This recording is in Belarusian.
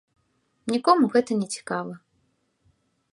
Нікому гэта не цікава.